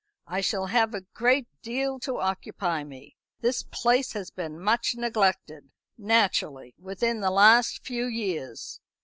"I shall have a great deal to occupy me. This place has been much neglected naturally within the last few years.